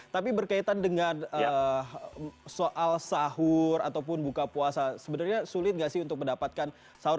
tapi berkaitan dengan soal sahur ataupun buka puasa sebenarnya sulit nggak sih untuk mendapatkan sahur